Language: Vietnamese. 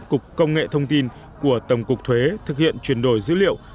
cục công nghệ thông tin của tổng cục thuế thực hiện chuyển đổi dữ liệu